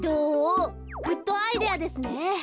グッドアイデアですね。